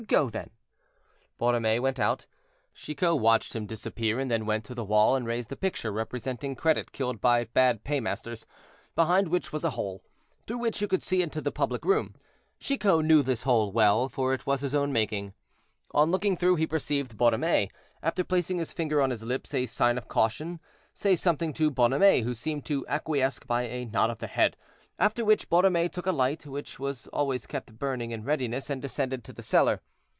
Go, then." Borromée went out. Chicot watched him disappear, and then went to the wall and raised a picture, representing Credit killed by bad paymasters, behind which was a hole, through which you could see into the public room. Chicot knew this hole well, for it was his own making. On looking through, he perceived Borromée, after placing his finger on his lips, as a sign of caution, say something to Bonhomet, who seemed to acquiesce by a nod of the head, after which Borromée took a light, which was always kept burning in readiness, and descended to the cellar.